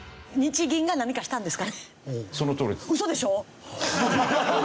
そのとおりです。